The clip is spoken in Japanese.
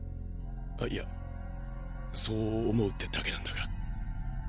あイヤそう思うってだけなんだが。